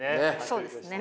そうですね